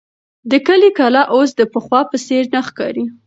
د کلي کلا اوس د پخوا په څېر نه ښکاري.